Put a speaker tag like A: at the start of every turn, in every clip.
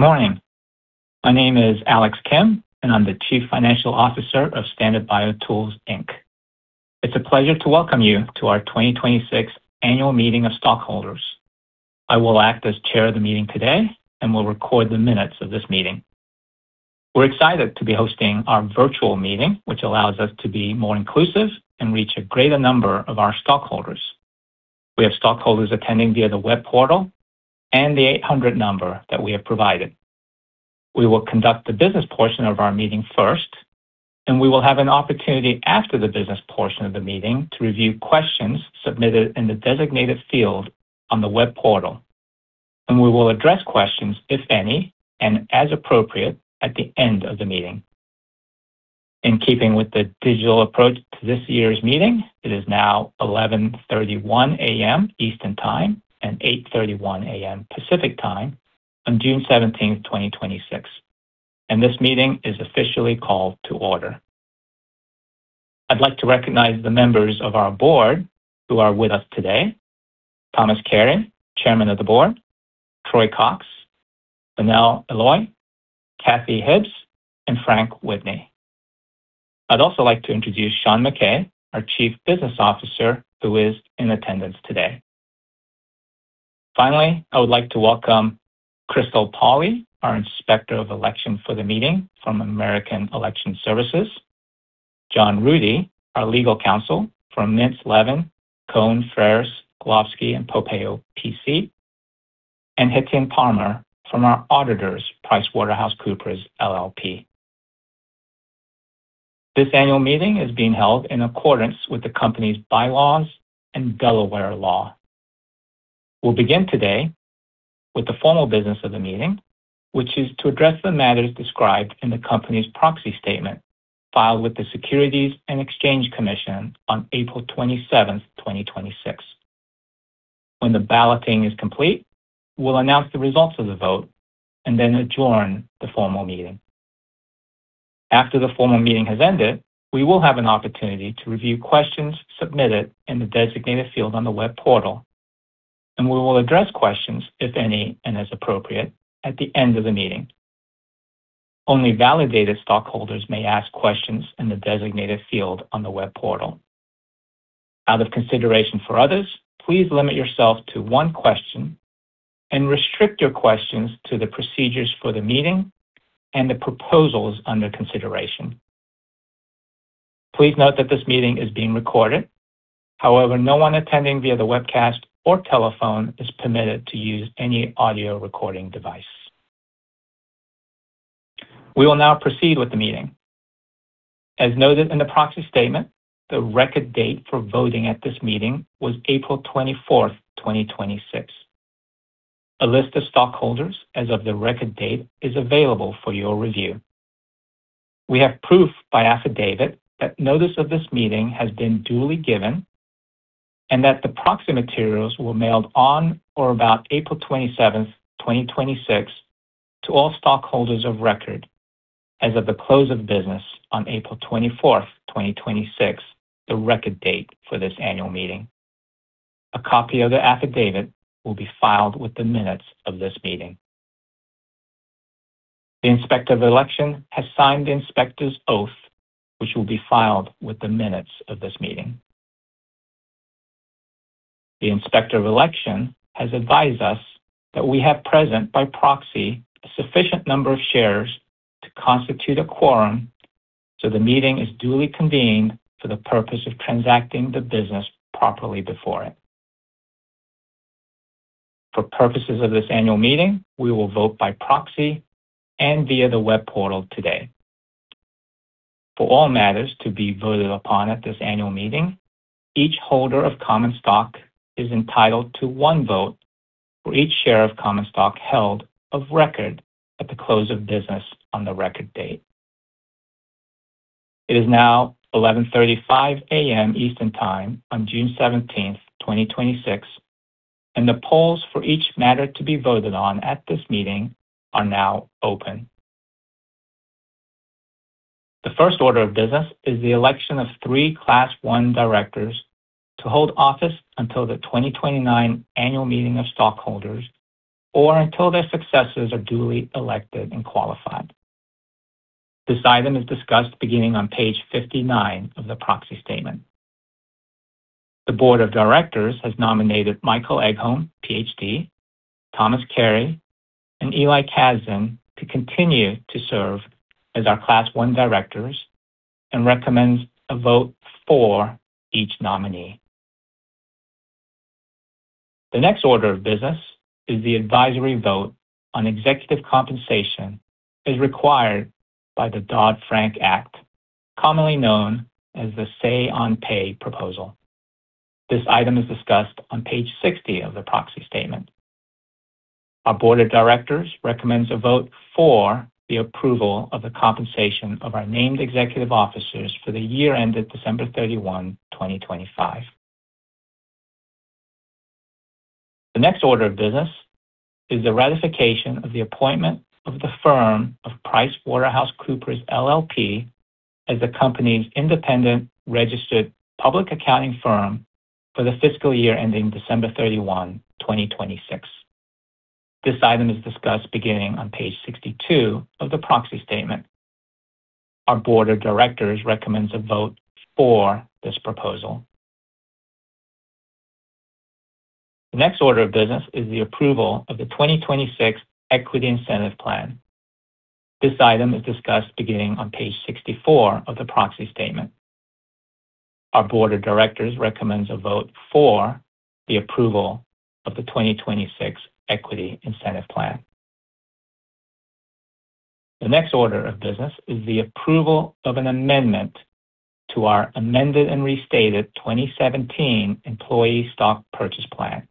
A: Morning. My name is Alex Kim, and I'm the Chief Financial Officer of Standard BioTools Inc. It's a pleasure to welcome you to our 2026 Annual Meeting of Stockholders. I will act as chair of the meeting today and will record the minutes of this meeting. We're excited to be hosting our virtual meeting, which allows us to be more inclusive and reach a greater number of our stockholders. We have stockholders attending via the web portal and the 800 number that we have provided. We will conduct the business portion of our meeting first, and we will have an opportunity after the business portion of the meeting to review questions submitted in the designated field on the web portal, and we will address questions, if any, and as appropriate, at the end of the meeting. In keeping with the digital approach to this year's meeting, it is now 11:31 A.M. Eastern Time and 8:31 A.M. Pacific Time on June 17th, 2026, and this meeting is officially called to order. I'd like to recognize the members of our board who are with us today, Thomas Carey, Chairman of the Board, Troy Cox, Fenel Eloi, Kathy Hibbs, and Frank Witney. I'd also like to introduce Sean Mackay, our Chief Business Officer, who is in attendance today. Finally, I would like to welcome Crystal Polly, our Inspector of Election for the meeting from American Election Services, John Rudy, our legal counsel from Mintz, Levin, Cohn, Ferris, Glovsky and Popeo, P.C., and Hitim Palmer from our auditors, PricewaterhouseCoopers LLP. This annual meeting is being held in accordance with the company's bylaws and Delaware law. We'll begin today with the formal business of the meeting, which is to address the matters described in the company's proxy statement filed with the Securities and Exchange Commission on April 27th, 2026. When the balloting is complete, we'll announce the results of the vote and then adjourn the formal meeting. After the formal meeting has ended, we will have an opportunity to review questions submitted in the designated field on the web portal, and we will address questions, if any and as appropriate, at the end of the meeting. Only validated stockholders may ask questions in the designated field on the web portal. Out of consideration for others, please limit yourself to one question and restrict your questions to the procedures for the meeting and the proposals under consideration. Please note that this meeting is being recorded. However, no one attending via the webcast or telephone is permitted to use any audio recording device. We will now proceed with the meeting. As noted in the proxy statement, the record date for voting at this meeting was April 24th, 2026. A list of stockholders as of the record date is available for your review. We have proof by affidavit that notice of this meeting has been duly given and that the proxy materials were mailed on or about April 27th, 2026, to all stockholders of record as of the close of business on April 24th, 2026, the record date for this annual meeting. A copy of the affidavit will be filed with the minutes of this meeting. The Inspector of Election has signed the inspector's oath, which will be filed with the minutes of this meeting. The Inspector of Election has advised us that we have present by proxy a sufficient number of shares to constitute a quorum, so the meeting is duly convened for the purpose of transacting the business properly before it. For purposes of this annual meeting, we will vote by proxy and via the web portal today. For all matters to be voted upon at this annual meeting, each holder of common stock is entitled to one vote for each share of common stock held of record at the close of business on the record date. It is now 11:35 A.M. Eastern Time on June 17th, 2026, and the polls for each matter to be voted on at this meeting are now open. The first order of business is the election of three Class I directors to hold office until the 2029 Annual Meeting of Stockholders or until their successors are duly elected and qualified. This item is discussed beginning on page 59 of the proxy statement. The board of directors has nominated Michael Egholm, PhD, Thomas Carey, and Eli Casdin to continue to serve as our Class I directors and recommends a vote for each nominee. The next order of business is the advisory vote on executive compensation as required by the Dodd-Frank Act, commonly known as the Say-on-Pay proposal. This item is discussed on page 60 of the proxy statement. Our board of directors recommends a vote for the approval of the compensation of our named executive officers for the year ended December 31, 2025. The next order of business is the ratification of the appointment of the firm of PricewaterhouseCoopers LLP as the company's independent registered public accounting firm for the fiscal year ending December 31, 2026. This item is discussed beginning on page 62 of the proxy statement. Our board of directors recommends a vote for this proposal. The next order of business is the approval of the 2026 equity incentive plan. This item is discussed beginning on page 64 of the proxy statement. Our board of directors recommends a vote for the approval of the 2026 equity incentive plan. The next order of business is the approval of an amendment to our amended and restated 2017 employee stock purchase plan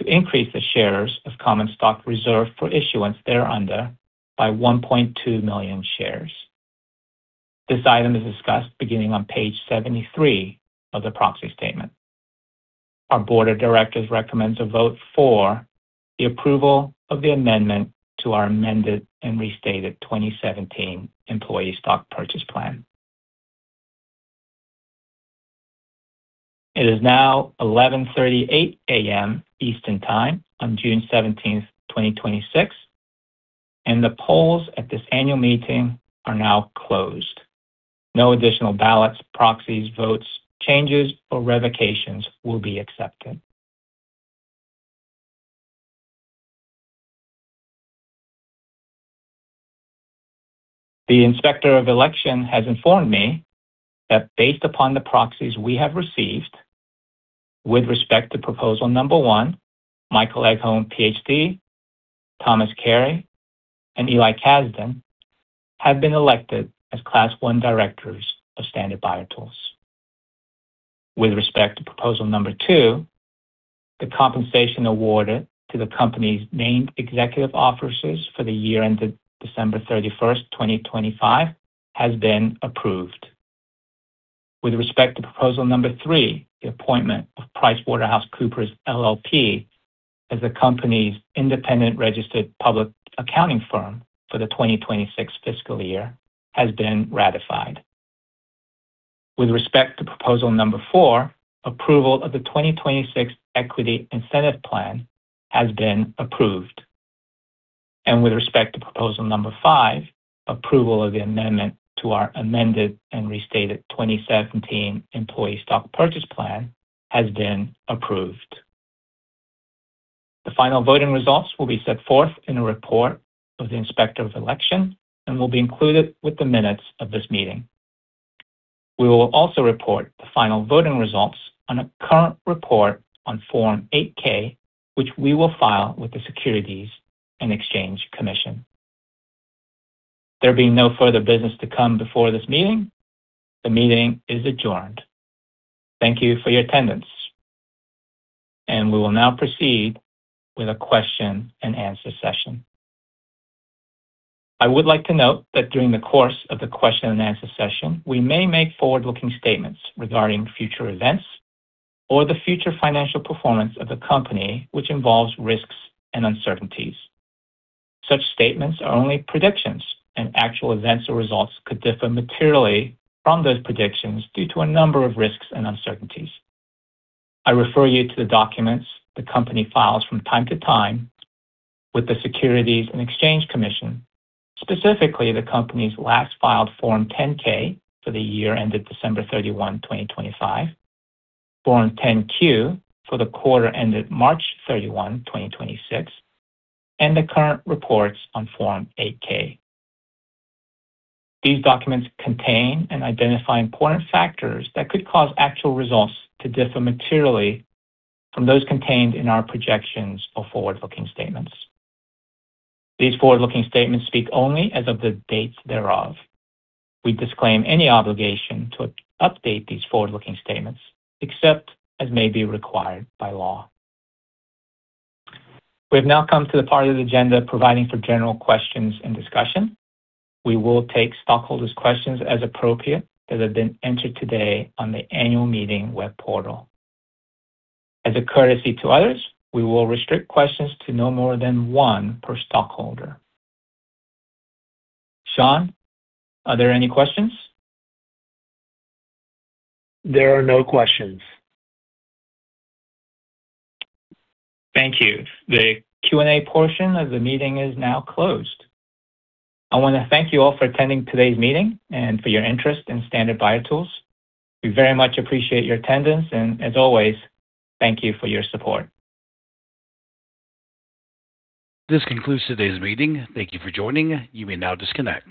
A: to increase the shares of common stock reserved for issuance thereunder by 1.2 million shares. This item is discussed beginning on page 73 of the proxy statement. Our board of directors recommends a vote for the approval of the amendment to our amended and restated 2017 employee stock purchase plan. It is now 11:38 A.M. Eastern Time on June 17th, 2026, and the polls at this annual meeting are now closed. No additional ballots, proxies, votes, changes, or revocations will be accepted. The Inspector of Election has informed me that based upon the proxies we have received, with respect to proposal number one, Michael Egholm, PhD, Thomas Carey, and Eli Casdin have been elected as Class I directors of Standard BioTools. With respect to proposal number two, the compensation awarded to the company's named executive officers for the year ended December 31st, 2025 has been approved. With respect to proposal number three, the appointment of PricewaterhouseCoopers LLP as the company's independent registered public accounting firm for the 2026 fiscal year has been ratified. With respect to proposal number four, approval of the 2026 equity incentive plan has been approved. With respect to proposal number five, approval of the amendment to our amended and restated 2017 employee stock purchase plan has been approved. The final voting results will be set forth in a report of the Inspector of Election and will be included with the minutes of this meeting. We will also report the final voting results on a current report on Form 8-K, which we will file with the Securities and Exchange Commission. There being no further business to come before this meeting, the meeting is adjourned. Thank you for your attendance. We will now proceed with a question-and-answer session. I would like to note that during the course of the question-and-answer session, we may make forward-looking statements regarding future events or the future financial performance of the company, which involves risks and uncertainties. Such statements are only predictions, and actual events or results could differ materially from those predictions due to a number of risks and uncertainties. I refer you to the documents the company files from time to time with the Securities and Exchange Commission, specifically the company's last filed Form 10-K for the year ended December 31, 2025, Form 10-Q for the quarter ended March 31, 2026, and the current reports on Form 8-K. These documents contain and identify important factors that could cause actual results to differ materially from those contained in our projections or forward-looking statements. These forward-looking statements speak only as of the dates thereof. We disclaim any obligation to update these forward-looking statements, except as may be required by law. We have now come to the part of the agenda providing for general questions and discussion. We will take stockholders' questions as appropriate that have been entered today on the annual meeting web portal. As a courtesy to others, we will restrict questions to no more than one per stockholder. Sean, are there any questions?
B: There are no questions.
A: Thank you. The Q&A portion of the meeting is now closed. I want to thank you all for attending today's meeting and for your interest in Standard BioTools. We very much appreciate your attendance, and as always, thank you for your support.
B: This concludes today's meeting. Thank you for joining. You may now disconnect.